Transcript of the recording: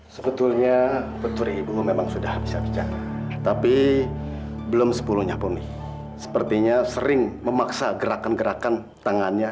sampai jumpa di video selanjutnya